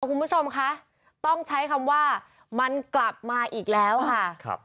คุณผู้ชมคะต้องใช้คำว่ามันกลับมาอีกแล้วค่ะ